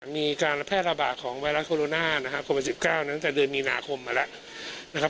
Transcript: มีการแพร่ระบาดของไวรัสโคโรนานะครับโควิด๑๙ตั้งแต่เดือนมีนาคมมาแล้วนะครับ